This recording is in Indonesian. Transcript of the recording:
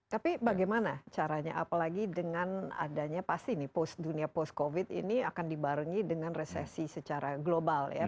tapi bagaimana caranya apalagi dengan adanya pasti nih dunia post covid ini akan dibarengi dengan resesi secara global ya